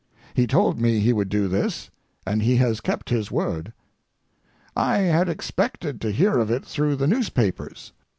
He told me he would do this—and he has kept his word! I had expected to hear of it through the newspapers.